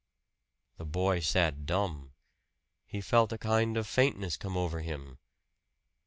The boy sat dumb. He felt a kind of faintness come over him.